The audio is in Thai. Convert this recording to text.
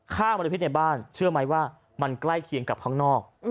มรพิษในบ้านเชื่อไหมว่ามันใกล้เคียงกับข้างนอก